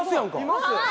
います。